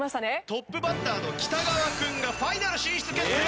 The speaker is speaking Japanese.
トップバッターの北川君がファイナル進出決定！